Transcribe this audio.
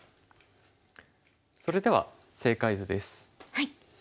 それでは正解図です。